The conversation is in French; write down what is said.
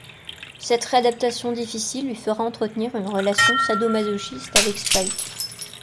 Cette réadaptation difficile lui fera entretenir une relation sado-masochiste avec Spike.